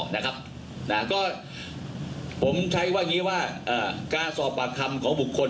นะครับนะก็ผมใช้ว่าอย่างนี้ว่าการสอบปากคำของบุคคล